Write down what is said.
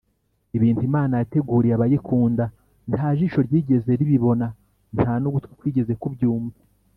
Ibintu Imana yateguriye abayikunda nta jisho ryigeze ribibona nta n’ugutwi kwigeze kubyumva